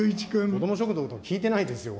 こども食堂とか聞いてないですよ。